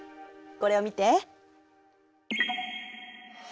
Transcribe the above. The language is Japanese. これを見て。